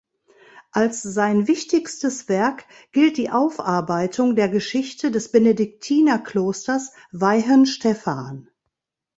Als sein wichtigstes Werk gilt die Aufarbeitung der Geschichte des Benediktinerklosters Weihenstephan.